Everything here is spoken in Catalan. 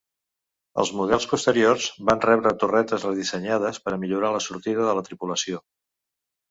Els models posteriors van rebre torretes redissenyades per a millorar la sortida de la tripulació.